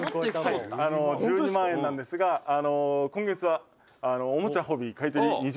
「１２万円なんですが今月はおもちゃ・ホビー買取２０％